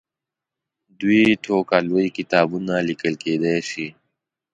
دوې ټوکه لوی کتابونه لیکل کېدلای شي.